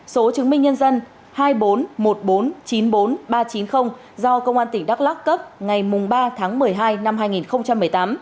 số chứng minh nhân dân hai bốn một bốn chín bốn ba chín không do công an tỉnh đắk lắc cấp ngày ba tháng một mươi hai năm hai nghìn một mươi tám